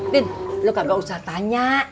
tin lu kagak usah tanya